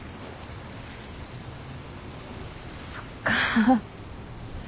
そっか。